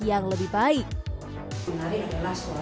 dan juga memiliki kekuatan otak